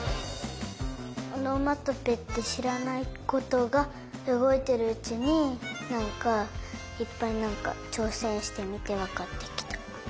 おのまとぺってしらないことがうごいてるうちになんかいっぱいちょうせんしてみてわかってきた。